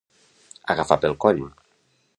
Agafar pel coll.